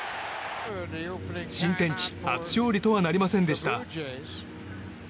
新天地初勝利とはなりませんでした。